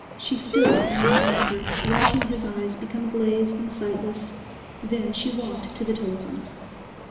She stood a moment longer, watching his eyes become glazed and sightless. Then she walked to the telephone.